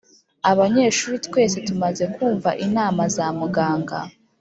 Abanyeshuri twese tumaze kumva inama za muganga